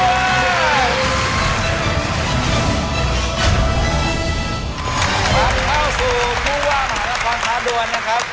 เข้าสู่ผู้ว่ามหานครท้าดวนนะครับ